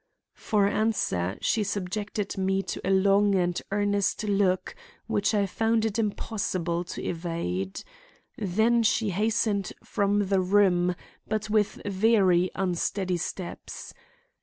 For answer she subjected me to a long and earnest look which I found it impossible to evade. Then she hastened from the room, but with very unsteady steps.